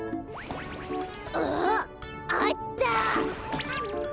ああった。